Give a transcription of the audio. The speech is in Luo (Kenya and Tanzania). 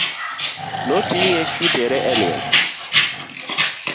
No ting'e kitere e liel.